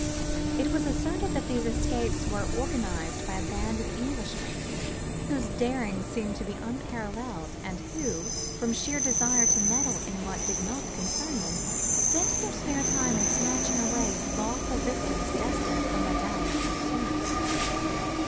It was asserted that these escapes were organised by a band of Englishmen, whose daring seemed to be unparalleled, and who, from sheer desire to meddle in what did not concern them, spent their spare time in snatching away lawful victims destined for Madame la Guillotine.